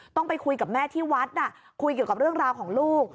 ต้องไปคุยกับแม่ที่วัดคุยเกี่ยวกับเรื่องราวของลูก